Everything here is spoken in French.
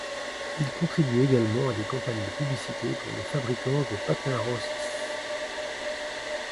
Il contribue également à des campagnes de publicité pour le fabricant de patins Roces.